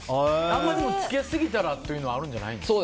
あんまりつけすぎたらってあるんじゃないんですか。